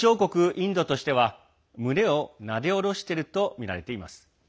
インドとしては胸をなで下ろしているとみられています。